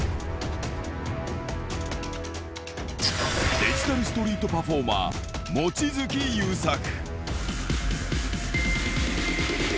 デジタルストリートパフォーマー、望月ゆうさく。